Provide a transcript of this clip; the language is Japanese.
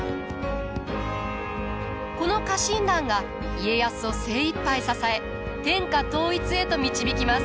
この家臣団が家康を精いっぱい支え天下統一へと導きます。